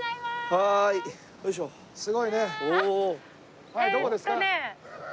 はいどこですか？